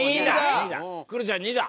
クロちゃん「２」だ。